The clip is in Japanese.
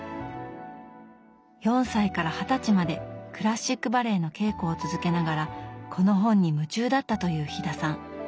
４歳から二十歳までクラシックバレエの稽古を続けながらこの本に夢中だったという飛田さん。